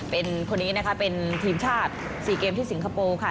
เป็นคนนี้นะคะเป็นทีมชาติ๔เกมที่สิงคโปร์ค่ะ